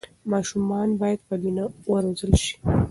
ماشومان باید په مینه وروزل شي.